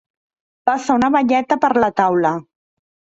Passa una baieta per la taula.